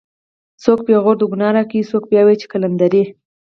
څوک پېغور د گناه راکړي څوک بیا وایي قلندرې